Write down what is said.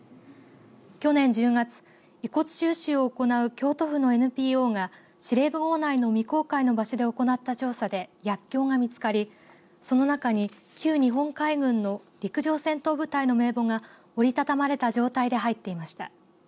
去年１０月、遺骨収集を行う京都府のＮＰＯが司令部ごう内の未公開の場所で行った調査で薬きょうが見つかりその中に旧日本海軍の陸上戦闘部隊の名簿が折り畳まれた状態で入っていました。